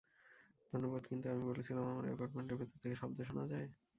ধন্যবাদ কিন্তু আমি বলছিলাম আমার এপার্টমেন্টের ভেতর থেকে শব্দ শোনা যায়?